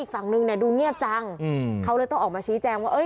อีกฝั่งนึงน่ะดูเงียบจังเขาเลยต้องออกมาชี้แจ้งว่า